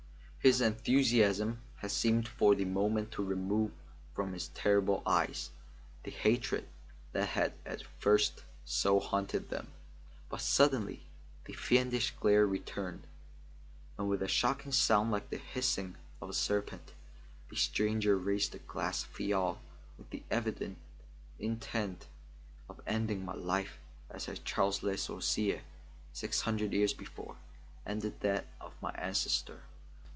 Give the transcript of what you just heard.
His enthusiasm had seemed for the moment to remove from his terrible eyes the hatred that had at first so haunted them, but suddenly the fiendish glare returned, and with a shocking sound like the hissing of a serpent, the stranger raised a glass phial with the evident intent of ending my life as had Charles Le Sorcier, six hundred years before, ended that of my ancestor.